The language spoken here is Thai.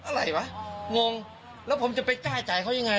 อะไรวะงงแล้วผมจะไปจ่ายเขายังไง